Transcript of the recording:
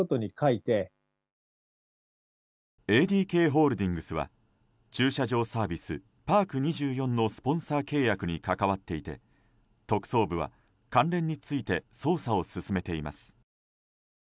ＡＤＫホールディングスは駐車場サービス、パーク２４のスポンサー契約に関わっていて特捜部は関連について捜査を進めています。